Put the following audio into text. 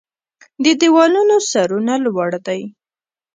د دیوالونو سرونه لوړ دی